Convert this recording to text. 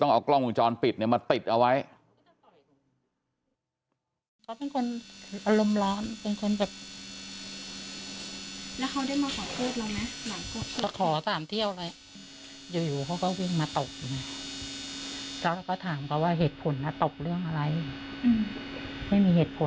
เอากล้องวงจรปิดมาติดเอาไว้